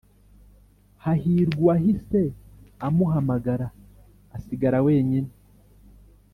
hari uwahise amuhamagara asigara wenyine